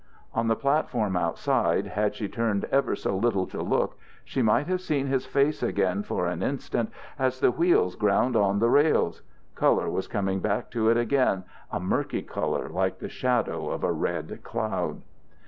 On the platform outside, had she turned ever so little to look, she might have seen his face again for an instant as the wheels ground on the rails. Colour was coming back to it again, a murky colour like the shadow of a red cloud.